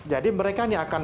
jadi mereka ini akan